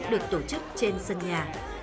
được tổ chức trên sân nhà